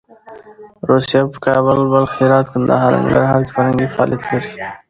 روسیه په کابل، بلخ، هرات، کندهار او ننګرهار کې فرهنګي فعالیت لري.